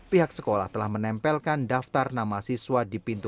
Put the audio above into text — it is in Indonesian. pihak sekolah telah menempelkan daftar nama siswa di pintu